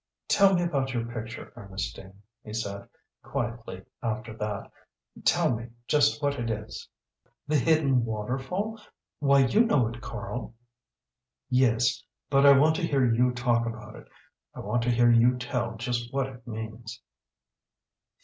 "Tell me about your picture, Ernestine," he said, quietly, after that. "Tell me just what it is." "The Hidden Waterfall? Why you know it, Karl." "Yes, but I want to hear you talk about it. I want to hear you tell just what it means."